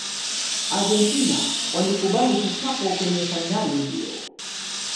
argentina walikubali kichapo kwenye fainali hiyo